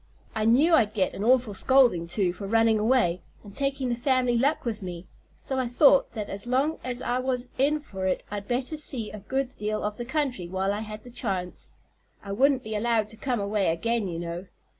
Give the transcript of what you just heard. I knew I'd get an awful scolding, too, for running away and taking the family luck with me, so I thought that as long as I was in for it I'd better see a good deal of the country while I had the chance. I wouldn't be allowed to come away again, you know."